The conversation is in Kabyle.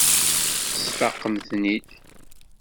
Tesfaqem-ten-id.